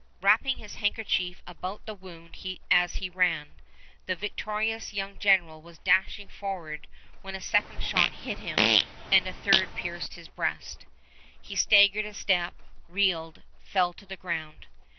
Wrapping his handkerchief about the wound as he ran, the victorious young general was dashing forward when a second shot hit him and a third pierced his breast. He staggered a step, reeled, fell to the ground.